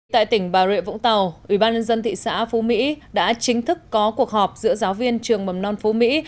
tại tỉnh bà rịa vũng tàu ubnd thị xã phú mỹ đã chính thức có cuộc họp giữa giáo viên trường mầm non phú mỹ